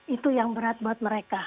itu yang berat buat mereka